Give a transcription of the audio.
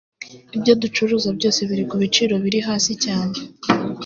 ibyo ducuruza byose biri ku biciro biri hasi cyane